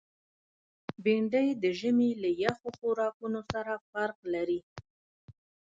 بېنډۍ د ژمي له یخو خوراکونو سره فرق لري